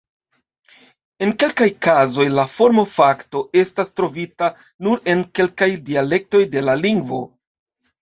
En kelkaj kazoj la formo-fakto estas trovita nur en kelkaj dialektoj de la lingvo.